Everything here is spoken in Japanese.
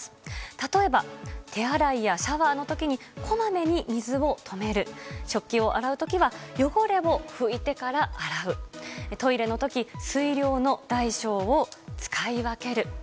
例えば、手洗いやシャワーの時にこまめに水を止める食器を洗う時は汚れを拭いてから洗うトイレの時水量の大・小を使い分ける。